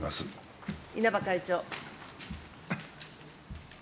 稲葉会長。